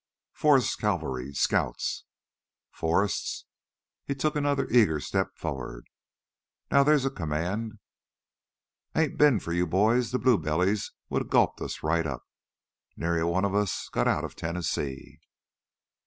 "Forrest's Cavalry ... Scouts " "Forrest's!" He took another eager step forward. "Now theah's a command! Ain't bin for you boys, th' blue bellies woulda gulped us right up! Nairy a one of us'd got out of Tennessee."